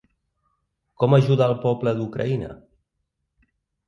Com ajudar el poble d’Ucraïna?